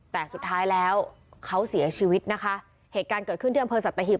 แต่สุดท้ายแล้วเขาเสียชีวิตนะคะเหตุการณ์เกิดขึ้นที่อำเภอสัตหิบ